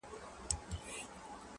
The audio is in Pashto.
ورځه خپله مزدوري دي ترې جلا كه-